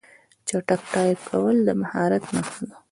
چټک ټایپ کول د مهارت نښه ده.